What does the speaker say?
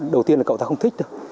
đầu tiên là cậu ta không thích được